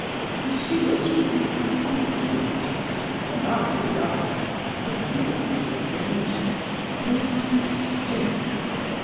To see those people coming into the box one after the other to witness against me makes me sick.